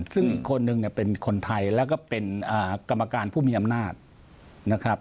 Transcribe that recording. ซึ่งคนหนึ่งเนี่ยเป็นคนไทยแล้วก็เป็นกรรมการผู้มีอำนาจนะครับ